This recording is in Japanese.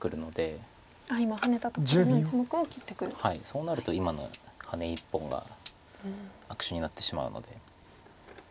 そうなると今のハネ１本が悪手になってしまうので。